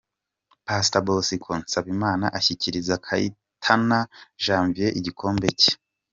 Pastor Bosco Nsabimana ashyikiriza Kayitana Janvier igikombe cye.